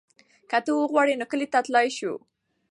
که ته وغواړې نو کلي ته تللی شو.